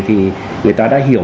thì người ta đã hiểu